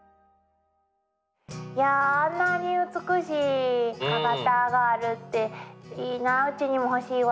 あんなに美しい川端があるっていいなうちにも欲しいわ。